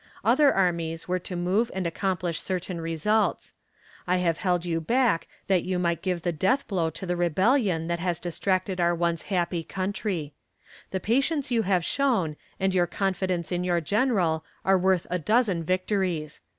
Other armies were to move and accomplish certain results. I have held you back that you might give the death blow to the rebellion that has distracted our once happy country. The patience you have shown, and your confidence in your General, are worth a dozen victories.